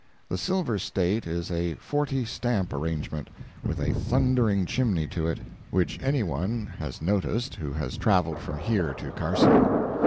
The Silver State is a forty stamp arrangement, with a thundering chimney to it, which any one has noticed who has traveled from here to Carson.